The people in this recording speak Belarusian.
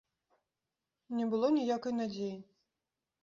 Не было ніякай надзеі.